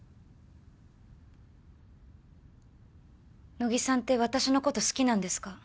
乃木さんって私のこと好きなんですか？